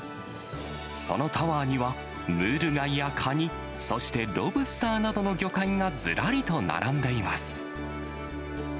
そのタワーには、ムール貝やカニ、そしてロブスターなどの魚介がずらりと並んでいます。